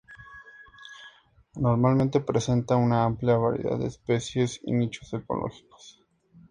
Normalmente presenta una amplia variedad de especies y nichos ecológicos.